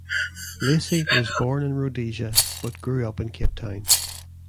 Lacey was born in Rhodesia but grew up in Cape Town.